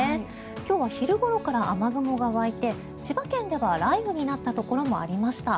今日は昼ごろから雨雲が湧いて千葉県では雷雨になったところもありました。